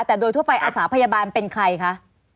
แต่โดยทั่วไปอาสาพยาบาลเป็นใครคะ